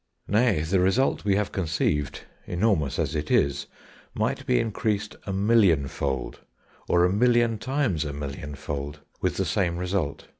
Nay, the radius we have conceived, enormous as it is, might be increased a million fold, or a million times a million fold, with the same result.